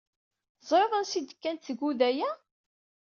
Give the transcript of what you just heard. Teẓriḍ ansi d-kkant tguda-ya?